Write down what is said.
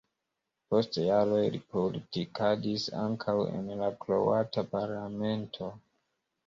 Post jaroj li politikadis ankaŭ en la kroata parlamento.